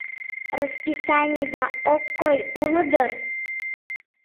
— Расписанийда ок кой, уло дыр?